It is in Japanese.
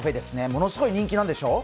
ものすごい人気なんでしょう？